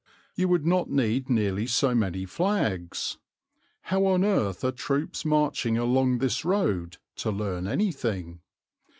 You would not need nearly so many flags. How on earth are troops marching along this road to learn anything?